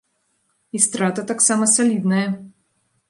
І страта таксама салідная!